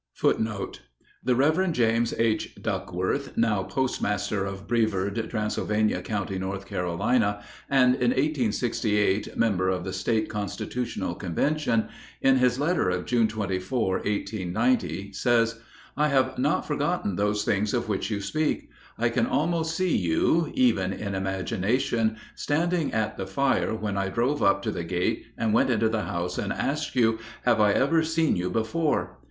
[Footnote 20: The Rev. James H. Duckworth, now postmaster of Brevard, Transylvania County, North Carolina, and in 1868 member of the State Constitutional Convention, in his letter of June 24, 1890, says: "I have not forgotten those things of which you speak. I can almost see you (even in imagination) standing at the fire when I drove up to the gate and went into the house and asked you, 'Have I ever seen you before?'